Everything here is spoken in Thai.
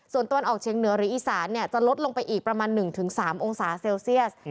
ส่วนตะวันออกเชียงเหนือหรืออีสานจะลดลงไปอีกประมาณ๑๓องศาเซลเซียส